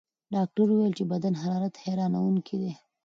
ډاکټره وویل چې د بدن حرارت حیرانوونکی دی.